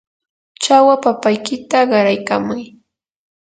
chawa papaykita qaraykamay.